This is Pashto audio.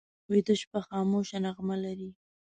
ویده شپه خاموشه نغمه لري